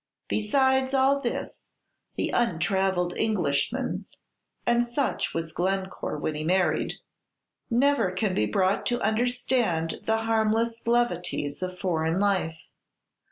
"Besides all this, the untravelled Englishman and such was Glencore when he married never can be brought to understand the harmless levities of foreign life.